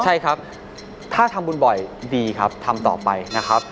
ใช่ครับถ้าทำบุญบ่อยดีครับทำต่อไปนะครับ